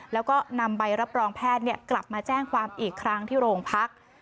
แล้วก็นำใบรับรองแพทย์กลับมาแจ้งความอีกครั้งที่โรงพัก